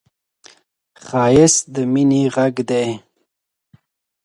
ښایست د مینې غږ دی